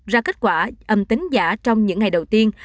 ra kết quả âm tính giả trong những ngày đầu tiên